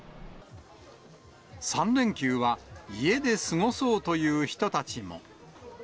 ３連休は家で過ごそうという人たちも。